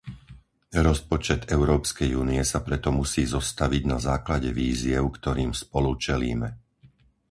Rozpočet Európskej únie sa preto musí zostaviť na základe výziev, ktorým spolu čelíme.